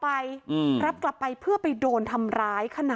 แต่ในคลิปนี้มันก็ยังไม่ชัดนะว่ามีคนอื่นนอกจากเจ๊กั้งกับน้องฟ้าหรือเปล่าเนอะ